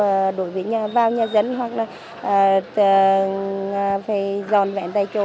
nên việc đi gửi được đồ dung vào nhà dân hoặc là phải dọn vẹn tay trổ